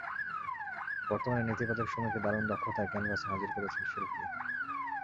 বর্তমানের নেতিবাচক সময়কে দারুণ দক্ষতায় ক্যানভাসে হাজির করেছেন শিল্পী।